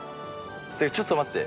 でもちょっと待って。